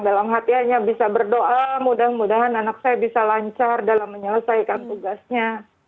dalam hati hanya bisa berdoa mudah mudahan anak saya bisa lancar dalam menyelesaikan tugasnya